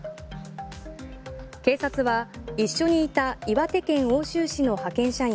警察は一緒にいた岩手県奥州市の派遣社員